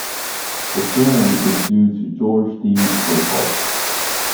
The theorem is due to George D. Birkhoff.